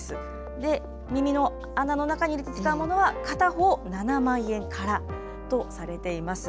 耳の穴の中に入れて使うものは片方７万円からとされています。